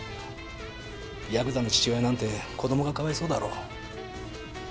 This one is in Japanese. やくざの父親なんて子供がかわいそうだろ。